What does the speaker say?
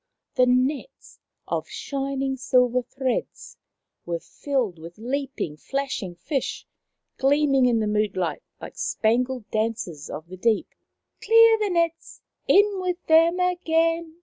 The nets, of shining silver threads, were filled with leaping, flashing fish, gleaming in the moonlight like spangled dancers of the deep. " Clear the nets ! In with them again